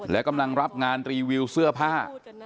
และกำลังรับงานรีวิวเสื้อผ้า